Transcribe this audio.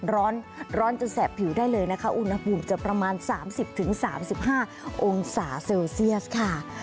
ร้อนร้อนจะแสบผิวได้เลยนะคะอุณหภูมิจะประมาณสามสิบถึงสามสิบห้าองศาเซลเซียสค่ะ